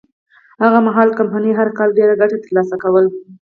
هغه مهال کمپنۍ هر کال ډېره ګټه ترلاسه کوله.